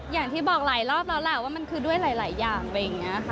อย่างที่บอกหลายรอบแล้วว่ามันคือด้วยหลายอย่าง